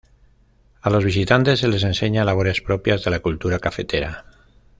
A los visitantes se les enseña labores propias de la cultura cafetera.